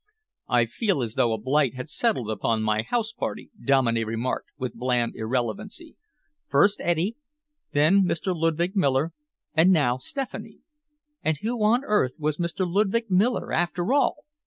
"I feel as though a blight had settled upon my house party," Dominey remarked with bland irrelevancy. "First Eddy, then Mr. Ludwig Miller, and now Stephanie." "And who on earth was Mr. Ludwig Miller, after all?"